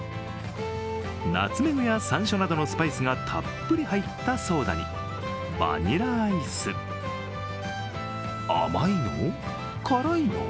ナツメグやさんしょうなどのスパイスがたっぷり入ったソーダにバニラアイス、甘いの？